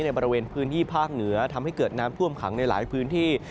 ในบริเวณพื้นที่ภาคเหนือทำให้เกิดน้ำท่วมขังในหลายพื้นที่